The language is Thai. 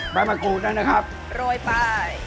แบบมะกรูดได้นะครับโรยไป